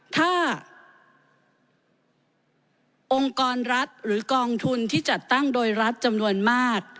ถ้าองค์กรรัฐหรือกองทุนที่จัดตั้งโดยรัฐจำนวนมาก